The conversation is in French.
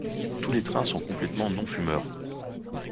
Tous les trains sont complètement non fumeurs.